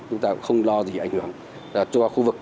chúng ta cũng không lo gì ảnh hưởng cho khu vực